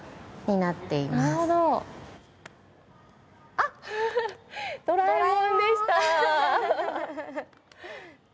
あっドラえもんでした。